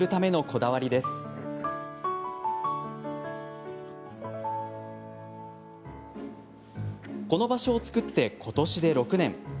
この場所を作って、ことしで６年。